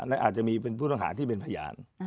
และอาจจะมีเป็นผู้ต้องหาที่เป็นพยาน